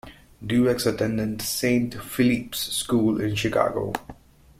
Duax attended Saint Phillip's School in Chicago.